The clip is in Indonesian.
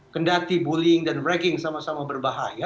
kendati bullying dan ragging sama sama berbahaya